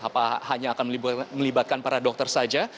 apa hanya akan melibatkan para dokter saja